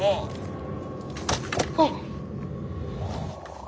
あっ！